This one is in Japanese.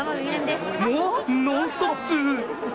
も「ノンストップ！」。